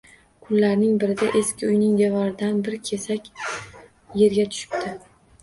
Kunlarning birida eski uyning devoridan bir kesak yerga tushibdi